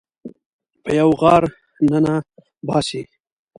په یوه غار ننه باسي